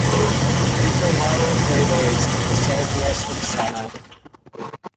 Hitomaro crater is to the southwest of Sanai.